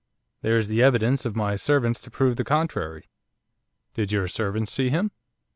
There is the evidence of my servants to prove the contrary.' 'Did your servants see him?